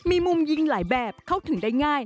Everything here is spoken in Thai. มีมุมยิงหลายแบบเข้าถึงได้ง่าย